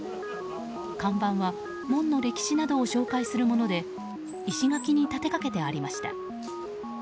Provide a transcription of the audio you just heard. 看板は門の歴史などを紹介するもので石垣に立てかけてありました。